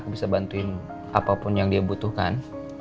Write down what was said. bisa bantuin apapun yang dia butuhkan